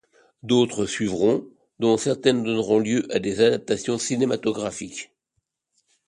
D'autres suivront, dont certaines donneront lieu à des adaptations cinématographiques.